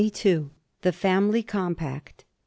THE "family compact."